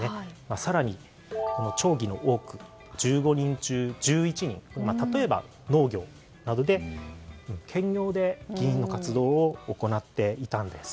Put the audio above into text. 更に、町議の多く１５人中１１人例えば、農業など兼業で議員の活動を行っていたんです。